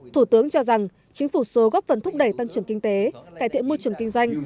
thủ tướng cho rằng chính phủ số góp phần thúc đẩy tăng trưởng kinh tế cải thiện môi trường kinh doanh